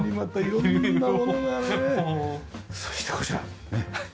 そしてこちらねっ。